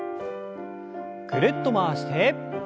ぐるっと回して。